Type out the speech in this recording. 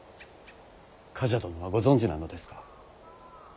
冠者殿はご存じなのですか。